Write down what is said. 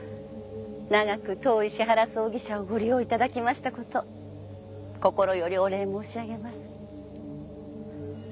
長く当石原葬儀社をご利用いただきましたこと心よりお礼申し上げます。